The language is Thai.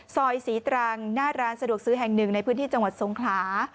ซอยศรีตรังหน้าร้านสะดวกซื้อแห่งหนึ่งในพื้นที่จังหวัดสงขลา